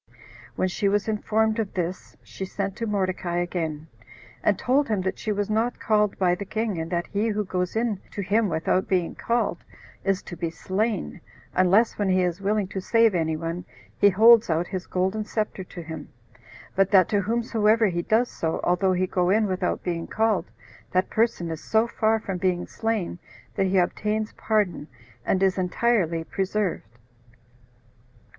When she was informed of this, she sent to Mordecai again, and told him that she was not called by the king, and that he who goes in to him without being called, is to be slain, unless when he is willing to save any one, he holds out his golden scepter to him; but that to whomsoever he does so, although he go in without being called, that person is so far from being slain, that he obtains pardon, and is entirely preserved.